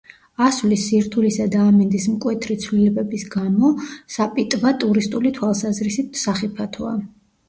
ასვლის სირთულისა და ამინდის მკვეთრი ცვლილებების გამო საპიტვა ტურისტული თვალსაზრისით სახიფათოა.